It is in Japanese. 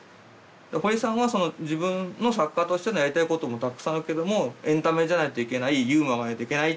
堀さんは自分の作家としてのやりたいこともたくさんあるけどもエンタメじゃないといけないユーモアがないといけない。